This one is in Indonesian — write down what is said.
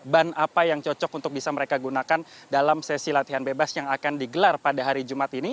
ban apa yang cocok untuk bisa mereka gunakan dalam sesi latihan bebas yang akan digelar pada hari jumat ini